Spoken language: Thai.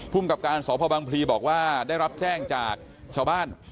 กับการสพบังพลีบอกว่าได้รับแจ้งจากชาวบ้าน